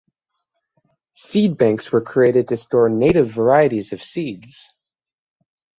Seed banks were created to store native varieties of seeds.